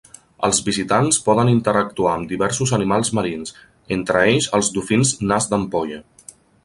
Els visitants poden interactuar amb diversos animals marins, entre ells els dofins nas d'ampolla.